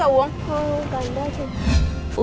cô muốn uống nước cho uống